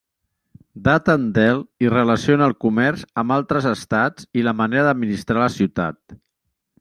Daten del i relaciona el comerç amb altres estats i la manera d'administrar la ciutat.